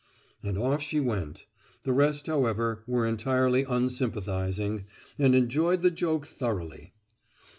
And off she went. The rest, however, were entirely unsympathizing, and enjoyed the joke thoroughly.